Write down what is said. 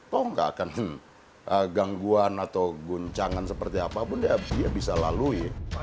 toh nggak akan gangguan atau guncangan seperti apapun dia bisa lalui